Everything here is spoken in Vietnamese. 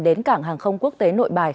đến cảng hàng không quốc tế nội bài